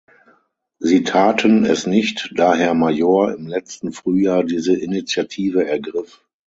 Sie taten es nicht, da Herr Major im letzten Frühjahr diese Initiative ergriff.